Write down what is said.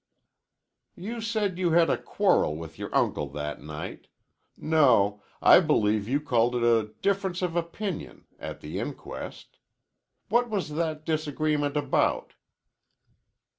"You said you had a quarrel with your uncle that night no, I believe you called it a difference of opinion, at the inquest. What was that disagreement about?"